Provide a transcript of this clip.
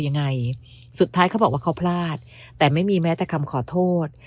ยังไงสุดท้ายเขาบอกว่าเขาพลาดแต่ไม่มีแม้แต่คำขอโทษ